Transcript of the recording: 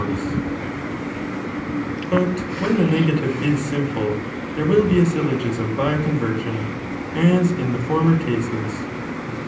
fore t But when the negative is simple, there will be a syllogism by conversion, as in the former cases.